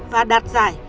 và đạt giải